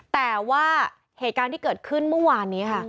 แต่ว่าเหตุการณ์ที่เกิดขึ้นเมื่อวานนี้ค่ะ